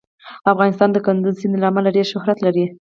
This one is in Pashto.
افغانستان د کندز سیند له امله ډېر شهرت لري.